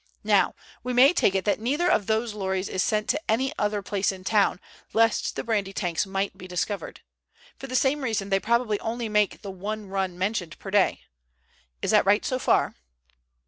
Now we may take it that neither of those lorries is sent to any other place in the town, lest the brandy tanks might be discovered. For the same reason, they probably only make the one run mentioned per day. Is that right so far?"